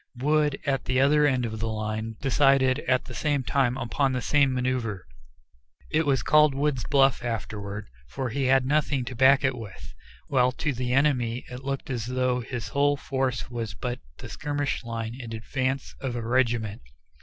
Wood, at the other end of the line, decided at the same time upon the same manoeuvre. It was called "Wood's bluff" afterward, for he had nothing to back it with; while to the enemy it looked as though his whole force was but the skirmish line in advance of a regiment.